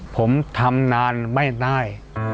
ผมทำนานไม่ได้